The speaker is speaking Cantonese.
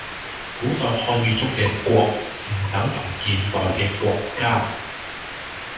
古代漢語中嘅「國」唔等同現代嘅「國家」